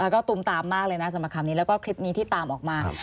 ก็ตูมตามมากเลยนะสำหรับคำนี้แล้วก็คลิปนี้ที่ตามออกมา